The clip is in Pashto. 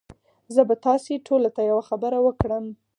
زه به تاسي ټوله ته یوه خبره وکړم